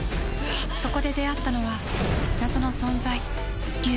そこで出会ったのは謎の存在竜。